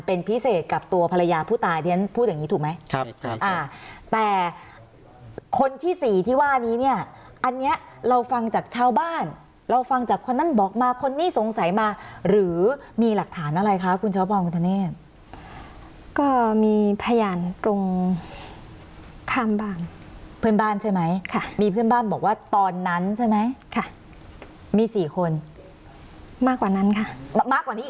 เป็นพิเศษกับตัวภรรยาผู้ตายเรียนพูดอย่างนี้ถูกไหมครับอ่าแต่คนที่สี่ที่ว่านี้เนี่ยอันเนี้ยเราฟังจากชาวบ้านเราฟังจากคนนั้นบอกมาคนนี้สงสัยมาหรือมีหลักฐานอะไรคะคุณช้อปปองคุณธเนธก็มีพยานตรงข้ามบ้านเพื่อนบ้านใช่ไหมค่ะมีเพื่อนบ้านบอกว่าตอนนั้นใช่ไหมค่ะมีสี่คนมากกว่านั้นค่ะมากกว่านี้อีก